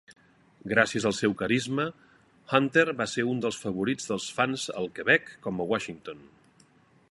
Gràcies al seu carisma, Hunter va ser un dels favorits dels fans al Quebec com a Washington.